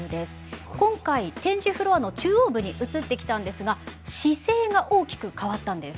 今回展示フロアの中央部に移ってきたんですが姿勢が大きく変わったんです。